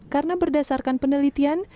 karena berdasarkan penelitian